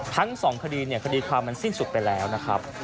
ทั้งสองคดีเนี่ยคดีความมันสิ้นสุดไปแล้วนะครับ